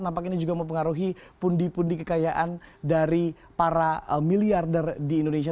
nampak ini juga mempengaruhi pundi pundi kekayaan dari para miliarder di indonesia